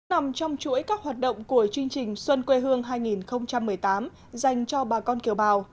nằm trong chuỗi các hoạt động của chương trình xuân quê hương hai nghìn một mươi tám dành cho bà con kiều bào